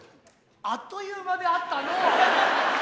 あっという間であったのう。